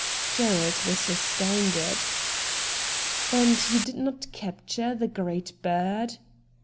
Gerald was astounded. ' And you did not capture the great bird